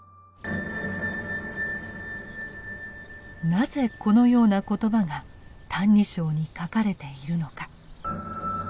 なぜこのような言葉が「歎異抄」に書かれているのか。